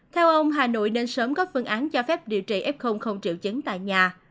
theo ông hà nội nên sớm có phương án cho phép điều trị f không triệu chứng tại nhà